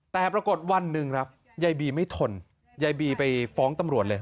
แต่ปรากฏวันหนึ่งครับยายบีไม่ทนยายบีไปฟ้องตำรวจเลย